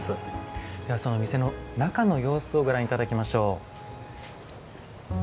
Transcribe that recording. ではその店の中の様子をご覧頂きましょう。